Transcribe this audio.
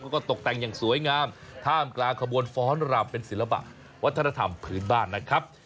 แล้วก็ตกแต่งอย่างสวยงามท่ามกลางขบวนฟ้อนรำเป็นศิลปะวัฒนธรรมพื้นบ้านนะครับ